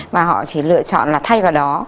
và họ chỉ lựa chọn thay vào đó